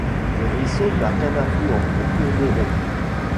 Le ruisseau n'a qu'un affluent, le Cournauron.